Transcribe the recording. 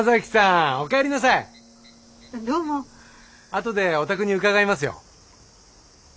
あとでお宅に伺いますよ。